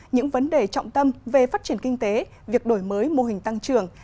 những vấn đề trọng tâm về phát triển kinh tế việc đổi mới mô hình tăng trưởng